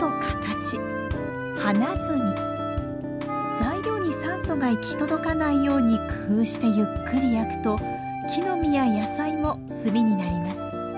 材料に酸素が行き届かないように工夫してゆっくり焼くと木の実や野菜も炭になります。